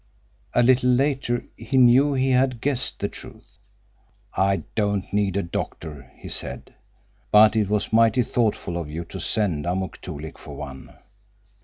A little later he knew he had guessed the truth. "I don't need a doctor," he said, "but it was mighty thoughtful of you to send Amuk Toolik for one."